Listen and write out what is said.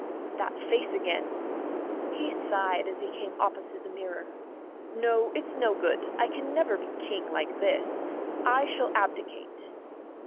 "That face again," he sighed as he came opposite the mirror. "No, it's no good; I can never be King like this. I shall abdicate."